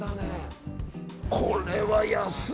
これは安い！